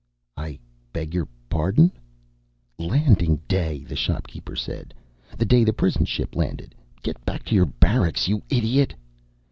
"I beg your pardon?" "Landing Day!" the shopkeeper said. "The day the prison ship landed. Get back to your barracks, you idiot!"